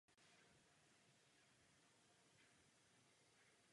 Chceme však upevnit evropský ideál a podporovat proces integrace.